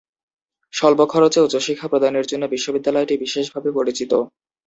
স্বল্প খরচে উচ্চশিক্ষা প্রদানের জন্য বিশ্ববিদ্যালয়টি বিশেষভাবে পরিচিত।